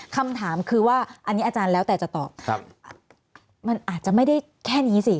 คำถามคือว่าอันนี้อาจารย์แล้วแต่จะตอบมันอาจจะไม่ได้แค่นี้สิ